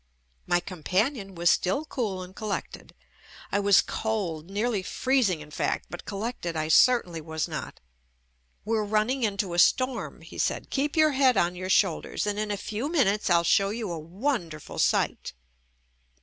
My companion was still cool and collect ed. I was cold, nearly freezing in fact, but col lected I certainly was not. "We're running into a storm," he said ; "keep your head on your shoulders and in a few minutes I'll show you a wonderful sight."